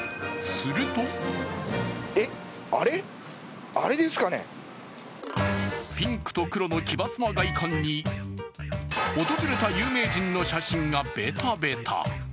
するとピンクと黒の奇抜な外観に訪れた有名人の写真がベタベタ。